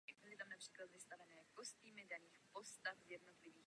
Následovalo její koncertní turné po Spojeném království.